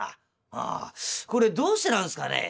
「ああこれどうしてなんすかね？」。